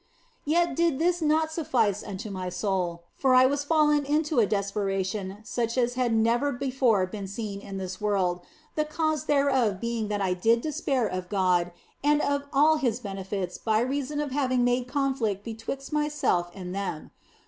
" Yet did this not suffice unto my soul, for I OF FOLIGNO 21 was fallen into a desperation such as had never before been seen in this world, the cause thereof being that I did despair of God and all His benefits by reason of having made conflict betwixt me and them.